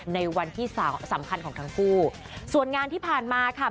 ในวันที่สำคัญของทั้งคู่ส่วนงานที่ผ่านมาค่ะ